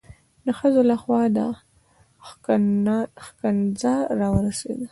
د ښځو لخوا دا ښکنځا را ورسېده.